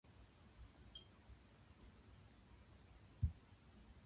おじいちゃんの腰はやられている